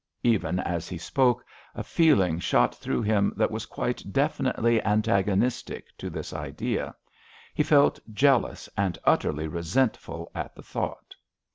Even as he spoke a feeling shot through him that was quite definitely antagonistic to this idea. He felt jealous and utterly resentful at the thought.